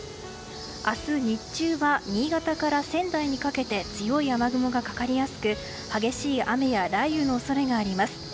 明日、日中は新潟から仙台にかけて強い雨雲がかかりやすく激しい雨や雷雨の恐れがあります。